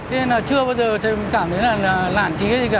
thế nên là chưa bao giờ cảm thấy là lản trí gì cả